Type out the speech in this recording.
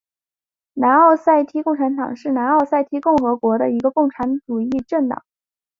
南奥塞梯共产党是南奥塞梯共和国的一个共产主义政党。